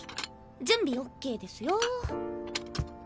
準備ＯＫですよォ。